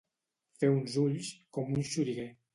Fer uns ulls com un xoriguer.